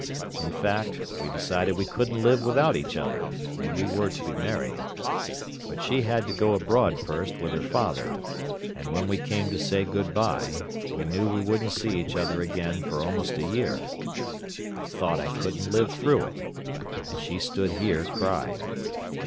In fact, we decided we couldn't live without each other, and we were to be married. But she had to go abroad first with her father, and when we came to say good bye we knew we wouldn't see each other again for almost a year. I thought I couldn't live through it—and she stood here crying.